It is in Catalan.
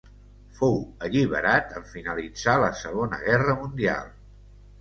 Fou alliberat en finalitzar la Segona Guerra Mundial.